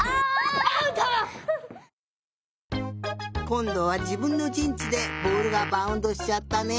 こんどはじぶんのじんちでボールがバウンドしちゃったね。